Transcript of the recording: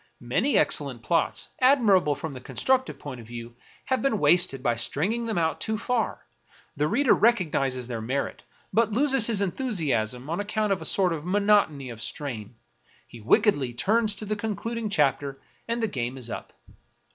Many excellent plots, admirable from the constructive point of view, have been wasted by stringing them out too far; the reader recognizes their merit, but loses his enthusiasm on account of a sort of monotony of strain; he wickedly turns to the concluding chapter, and the game is up.